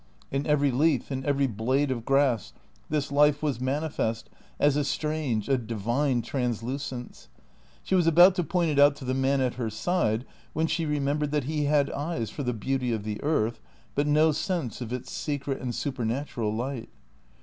In every leaf, in every blade of grass, this life was manifest as a strange, a divine translucence. She was about to point it out to the man at her side when she remembered that he had eyes for the beauty of the earth, but no sense of its secret and supernatural light.